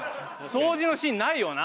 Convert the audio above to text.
掃除のシーンないよな。